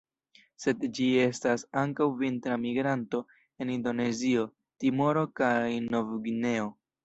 Sed ĝi estas ankaŭ vintra migranto en Indonezio, Timoro kaj Nov-Gvineo.